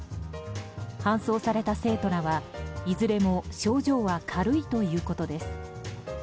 搬送された生徒らは、いずれも症状は軽いということです。